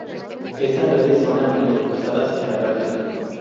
Estas redes son a menudo usadas en la práctica.